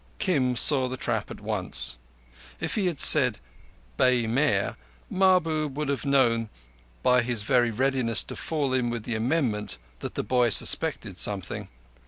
Kim saw the trap at once. If he had said "bay mare" Mahbub would have known by his very readiness to fall in with the amendment that the boy suspected something.